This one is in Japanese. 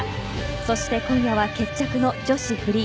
そして今夜は決着の女子フリー。